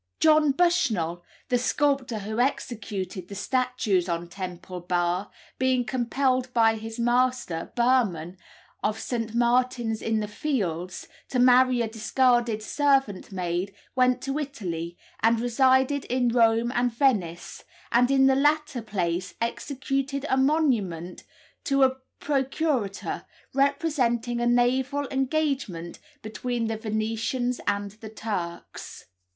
John Bushnell, the sculptor who executed the statues on Temple Bar, being compelled by his master, Burman, of St. Martin's in the Fields, to marry a discarded servant maid, went to Italy, and resided in Rome and Venice, and in the latter place executed a monument to a Procuratore, representing a naval engagement between the Venetians and the Turks.